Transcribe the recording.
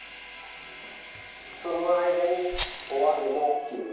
その間にお揚げも切る。